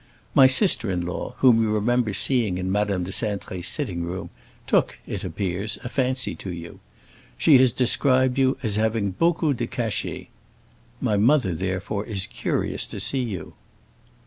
My sister in law, whom you remember seeing in Madame de Cintré's sitting room, took, it appears, a fancy to you; she has described you as having beaucoup de cachet. My mother, therefore, is curious to see you."